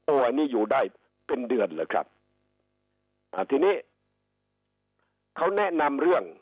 อันนี้อยู่ได้เป็นเดือนเหรอครับอ่าทีนี้เขาแนะนำเรื่อง